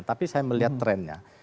tapi saya melihat trendnya